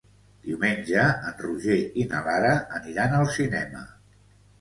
Diumenge en Roger i na Lara aniran al cinema.